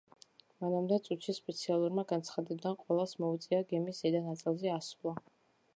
რამდენიმე წუთში, სპეციალურმა განცხადებამ ყველას მოუწოდა გემის ზედა ნაწილზე ასვლა.